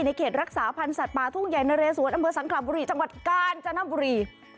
เขตรักษาพันธ์สัตว์ป่าทุ่งใหญ่นะเรสวนอำเภอสังขลาบุรีจังหวัดกาญจนบุรี